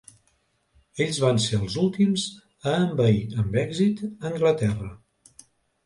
Ells van ser els últims a envair amb èxit Anglaterra.